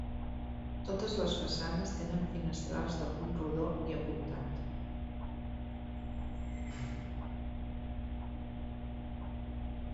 Totes les façanes tenen finestrals de punt rodó i apuntat.